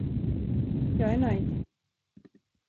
Jag är nöjd.